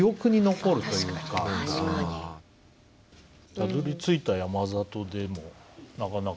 「たどり着いた山里で」もなかなか。